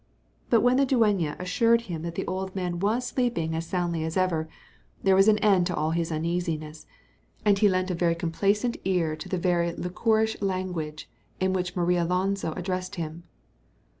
But when the dueña assured him that the old man was sleeping as soundly as ever, there was an end to all his uneasiness, and he lent a complacent ear to the very liquorish language in which Marialonso addressed him.